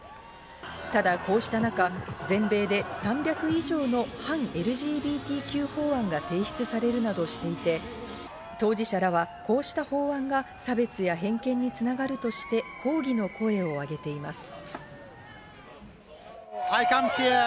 ただ、こうした中、全米で３００以上の反ＬＧＢＴＱ法案が提出されるなどしていて、当事者らはこうした法案が差別や偏見に繋がるとして抗議の声を上げています。